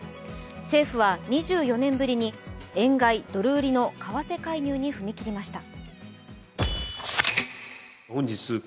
政府は２４年ぶりに円買い・ドル売りの為替介入に踏み切りました。